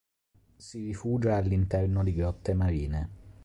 Si rifugia all'interno di grotte marine.